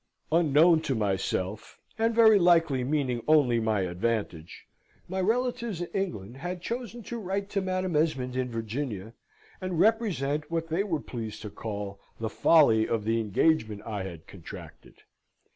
Unknown to myself, and very likely meaning only my advantage, my relatives in England had chosen to write to Madam Esmond in Virginia, and represent what they were pleased to call the folly of the engagement I had contracted.